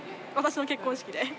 私の結婚式で。